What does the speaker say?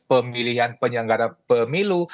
ada proses pemilihan penyanggara pemilu